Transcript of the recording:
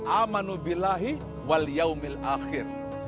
amanu billahi wal yaumil akhir